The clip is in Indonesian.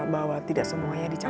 bahwa tidak semuanya dipercaya